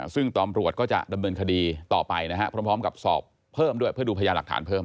ซึ่งตำรวจก็จะดำเนินคดีต่อไปนะครับพร้อมกับสอบเพิ่มด้วยเพื่อดูพยานหลักฐานเพิ่ม